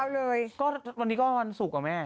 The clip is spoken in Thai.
วันนี้ก็วันสุกก็มี